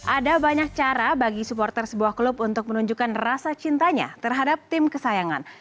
ada banyak cara bagi supporter sebuah klub untuk menunjukkan rasa cintanya terhadap tim kesayangan